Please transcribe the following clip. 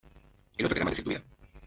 El otro te hará maldecir tu vida.